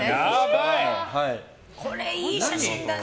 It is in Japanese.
これ、いい写真だね。